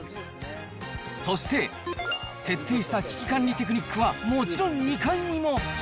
そして、徹底した危機管理テクニックは、もちろん２階にも。